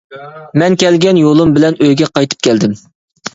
مەن كەلگەن يولۇم بىلەن ئۆيگە قايتىپ كەلدىم.